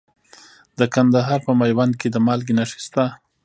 د کندهار په میوند کې د مالګې نښې شته.